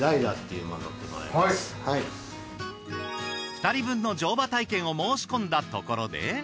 ２人分の乗馬体験を申し込んだところで。